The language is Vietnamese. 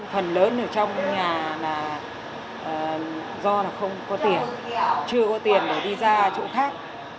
phần lớn ở trong nhà là do không có tiền chưa có tiền để đi ra chỗ khác